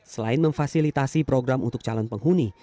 selain memfasilitasi program untuk calon penghuni